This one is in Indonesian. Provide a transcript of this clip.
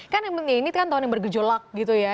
kan ini tahun yang bergejolak gitu ya